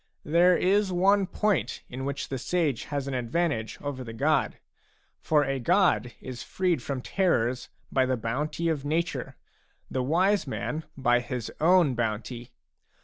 There is one point in which the sage has an advantage over the god ; for a god is freed from terrors by the bounty of nature, the wise man by his own bounty.